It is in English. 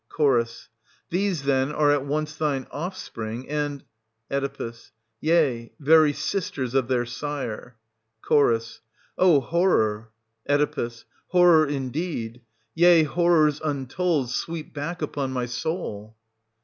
str. 2. Ch, These, then, are at once thine offspring, and Oe. — yea, very sisters of their sire. Ch. Oh, horror! Oe. Horror indeed — yea, horrors untold sweep back upon my soul